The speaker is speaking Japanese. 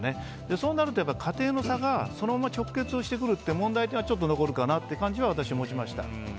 そうなると、家庭の差がそのまま直結してくるという問題点が残るかなという感じは私は持ちました。